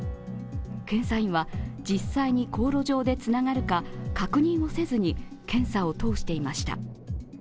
検査員は、実際に航路上でつながるか、確認をせずに検査を通していました。